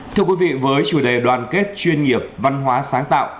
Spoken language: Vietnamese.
thưa quý vị với chủ đề đoàn kết chuyên nghiệp văn hóa sáng tạo